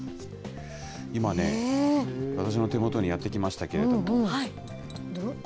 今ね、私の手元にやって来ましたけれども。